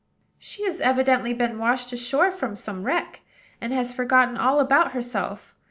"She has evidently been washed ashore from some wreck, and has forgotten all about herself.